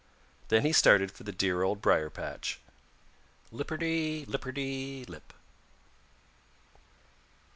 Then he started for the dear Old Briar patch, lipperty lipperty lip.